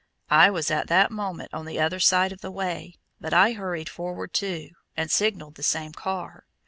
I was at that moment on the other side of the way, but I hurried forward too, and signaled the same car.